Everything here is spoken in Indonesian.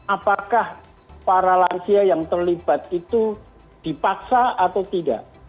apakah para lansia yang terlibat itu dipaksa atau tidak